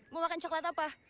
mau makan coklat apa